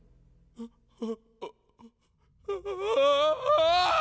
ああ。